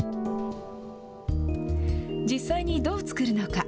実際にどう作るのか。